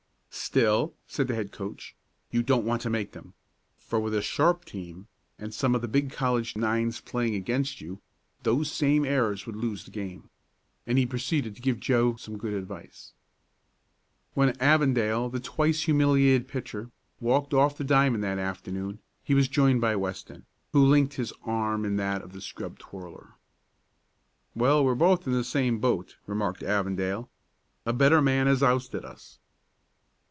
"Still," said the head coach, "you don't want to make them, for with a sharp team, and some of the big college nines playing against you, those same errors would lose the game." And he proceeded to give Joe some good advice. When Avondale, the twice humiliated pitcher, walked off the diamond that afternoon, he was joined by Weston, who linked his arm in that of the scrub twirler. "Well, we're both in the same boat," remarked Avondale. "A better man has ousted us."